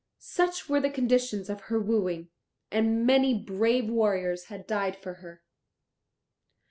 Such were the conditions of her wooing, and many brave warriors had died for her.